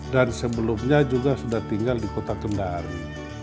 dan sebelumnya juga sudah tinggal di kota kendari